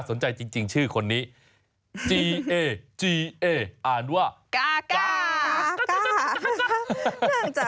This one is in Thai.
ถูกต้องเลยค่ะ